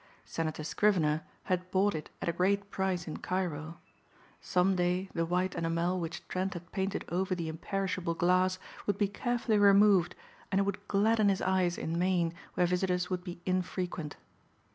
Senator Scrivener had bought it at a great price in Cairo. Some day the white enamel which Trent had painted over the imperishable glass would be carefully removed and it would gladden his eyes in Maine where visitors would be infrequent.